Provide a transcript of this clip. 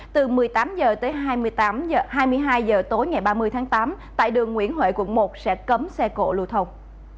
từ một mươi tám h đến hai mươi hai h tối ngày ba mươi tháng tám tại đường nguyễn huệ quận một sẽ cấm xe cộ lưu thông